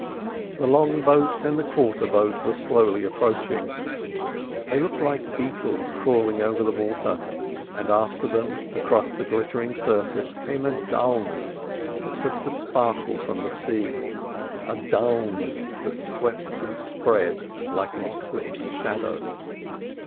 The long boat and the quarter boat were slowly approaching. They looked like beetles crawling over the water, and after them across the glittering surface came a dullness that took the sparkle from the sea—a dullness that swept and spread like an eclipse shadow.